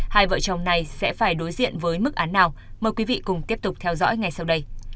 hai vợ chồng này sẽ phải đối diện với mức án nào mời quý vị cùng tiếp tục theo dõi ngay sau đây